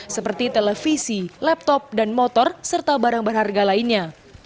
seperti televisi laptop dan motor serta barang berharga lainnya